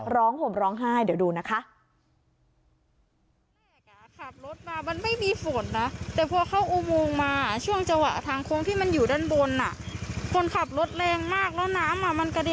ห่มร้องไห้เดี๋ยวดูนะคะ